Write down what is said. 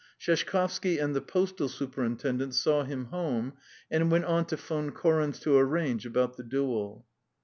Sheshkovsky and the postal superintendent saw him home and went on to Von Koren's to arrange about the duel.